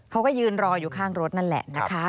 เขาก็ยืนรออยู่ข้างรถนั่นแหละนะคะ